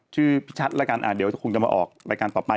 พี่ชัดแล้วกันเดี๋ยวคงจะมาออกรายการต่อไป